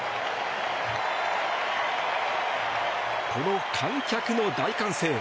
この観客の大歓声。